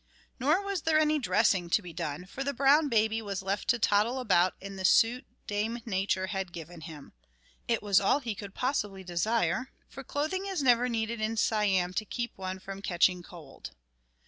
Nor was there any dressing to be done, for the brown baby was left to toddle about in the suit Dame Nature had given him. It was all he could possibly desire, for clothing is never needed in Siam to keep one from catching cold.